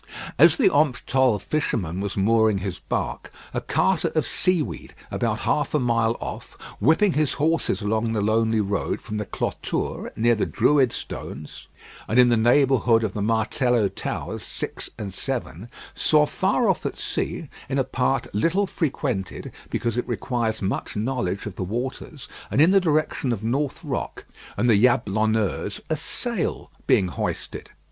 As the Omptolle fisherman was mooring his bark, a carter of seaweed about half a mile off, whipping his horses along the lonely road from the Clôtures near the Druid stones, and in the neighbourhood of the Martello Towers 6 and 7, saw far off at sea, in a part little frequented, because it requires much knowledge of the waters, and in the direction of North Rock and the Jablonneuse, a sail being hoisted.